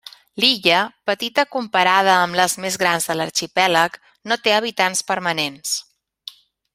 L'illa, petita comparada amb les més grans de l'arxipèlag, no té habitants permanents.